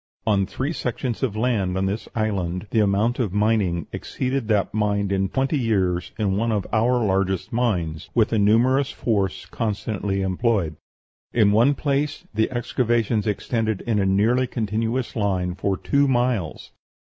On three sections of land on this island the amount of mining exceeded that mined in twenty years in one of our largest mines, with a numerous force constantly employed. In one place the excavations extended in a nearly continuous line for two miles.